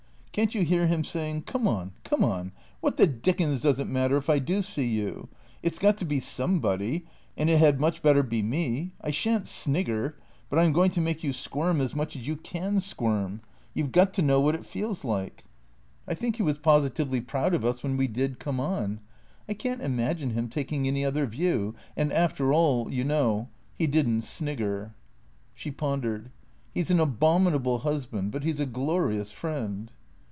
" Can't you hear him saying, ' Come on, come on, what the dickens does it matter if I do see you? It's got to be somebody and it had much better be me. I shan't snigger. But I 'm going to make you squirm as much as you can squirm. You 've got to know what it feels like.' I think 314 THE CREATORS he was positively proud of us when we did come on. J can't imagine him taking any other view. And after all, you know, he did n't snigger." She pondered. " He 's an abominable husband, but he 's a glorious friend."